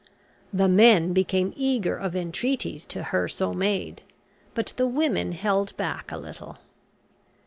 The men became eager of entreaties to her so made, but the women held back a little.